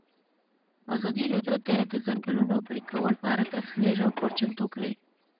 ازادي راډیو د د ځنګلونو پرېکول په اړه تفصیلي راپور چمتو کړی.